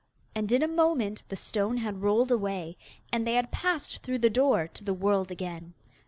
And in a moment the stone had rolled away, and they had passed through the door to the world again.